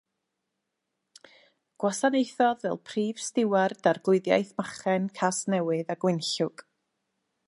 Gwasanaethodd fel Prif Stiward Arglwyddiaeth Machen, Casnewydd a Gwynllŵg.